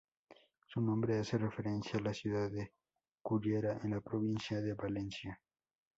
Su nombre hace referencia a la ciudad de Cullera, en la provincia de Valencia.